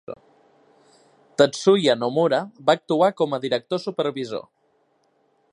Tetsuya Nomura va actuar com a director supervisor.